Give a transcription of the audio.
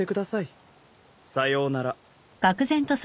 さようなら。